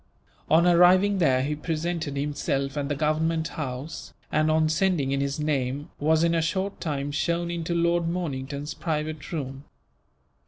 On arriving there he presented himself at the Government House and, on sending in his name, was in a short time shown in to Lord Mornington's private room.